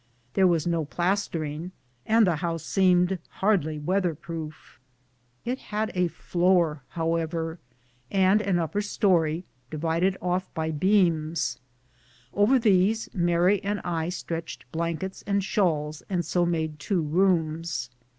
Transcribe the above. There was no plastering, and the house seemed hardly weather proof. It had a floor, however, and an upper stoiy di vided off by beams; over these Mary and I stretched blankets and shawls and so made two rooms.